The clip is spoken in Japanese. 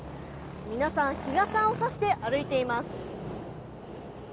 皆さん、日傘をさして歩いています。